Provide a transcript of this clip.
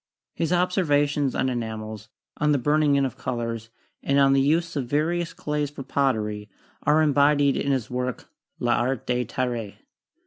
His observations on enamels, on the burning in of colors, and on the use of various clays for pottery, are embodied in his work, 'L'Art de Terre.'